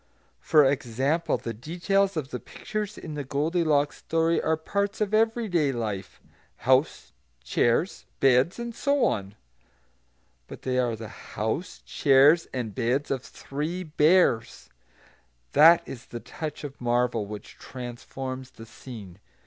For example, the details of the pictures in the Goldilocks story are parts of everyday life, house, chairs, beds, and so on; but they are the house, chairs, and beds of three bears; that is the touch of marvel which transforms the scene.